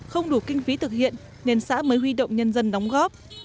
không đủ kinh phí thực hiện nên xã mới huy động nhân dân đóng góp